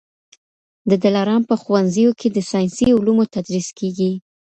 د دلارام په ښوونځیو کي د ساینسي علومو تدریس کېږي.